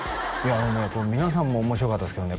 あのね皆さんも面白かったですけどね